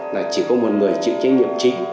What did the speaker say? là chỉ có một người chịu trách nhiệm trị